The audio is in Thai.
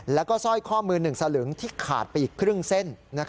แล้วก็สร้อยข้อมือ๑สลึงที่ขาดไปอีกครึ่งเส้น